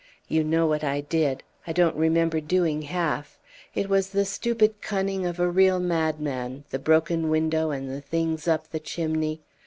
You know what I did. I don't remember doing half. It was the stupid cunning of a real madman, the broken window, and the things up the chimney.